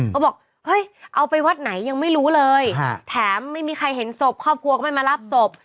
เขาบอกเฮ้ยเอาไปวัดไหนยังไม่รู้เลยแถมไม่มีใครเห็นศพครอบครัวก็ไม่มารับศพ